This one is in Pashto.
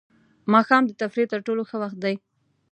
ماښام د تفریح تر ټولو ښه وخت دی.